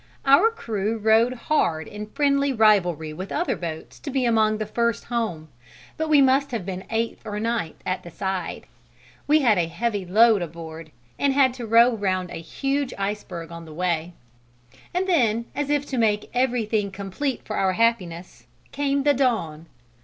Our crew rowed hard in friendly rivalry with other boats to be among the first home, but we must have been eighth or ninth at the side. We had a heavy load aboard, and had to row round a huge iceberg on the way. And then, as if to make everything complete for our happiness, came the dawn.